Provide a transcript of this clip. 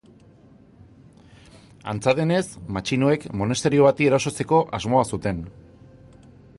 Antza denez, matxinoek monasterio bati erasotzeko asmoa zuten.